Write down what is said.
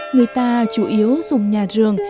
người ta chủ yếu dùng nhà giường